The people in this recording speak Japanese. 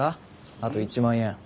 あと１万円。